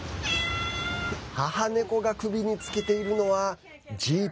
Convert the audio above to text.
母猫が首につけているのはＧＰＳ。